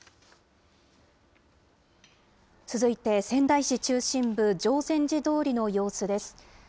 続いて仙台市中心部、定禅寺通りの様子です。